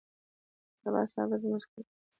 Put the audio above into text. سبا سهار به زموږ کور ته ځو.